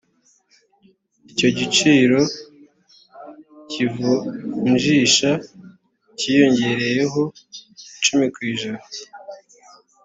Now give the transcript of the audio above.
icyo giciro cy ivunjisha cyiyongereyeho icumi ku ijana